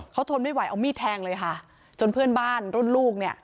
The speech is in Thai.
เขาทนไม่ไหวเอามีดแทงเลยค่ะจนเพื่อนบ้านรุ่นลูกเนี่ย